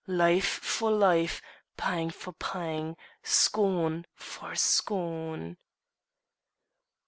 Life for life, pang for pang, scorn for scorn!"